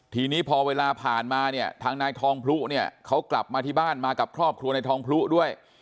ทีนี้พอเวลาผ่านมาเนี่ยทางนายทองพลุเนี่ยเขากลับมาที่บ้านมากับครอบครัวในทองพลุด้วย